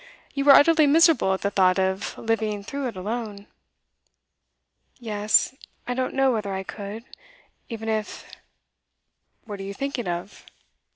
You were utterly miserable at the thought of living through it alone.' 'Yes I don't know whether I could even if ' 'What are you thinking of?